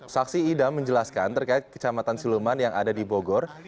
saksi idam menjelaskan terkait kecamatan siluman yang ada di bogor